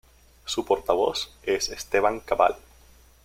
Su portavoz es Esteban Cabal.